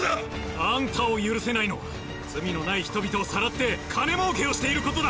あんたを許せないのは罪のない人々をさらって金もうけをしていることだ